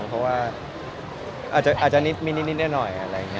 ก็ว่าอาจจะมีนิดนิดนี่น้อย